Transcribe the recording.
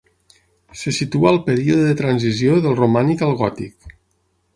Se situa al període de transició del romànic al gòtic.